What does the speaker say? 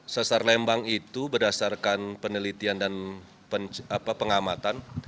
sesar lembang itu berdasarkan penelitian dan pengamatan